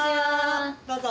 どうぞ。